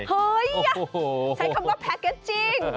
เฮ้ยใช้คำว่าแพ้เก็ตจริง